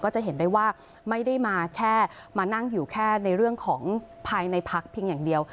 จะเห็นได้ว่าไม่ได้มาแค่มานั่งอยู่แค่ในเรื่องของภายในพักเพียงอย่างเดียว